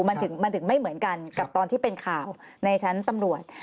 มันถึงไม่เหมือนกันกับตอนที่เป็นข่าวในชั้นตำรวจ